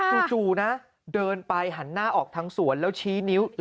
นี่ฉันจะป่วยเพราะคุณเนี่ยล่ะ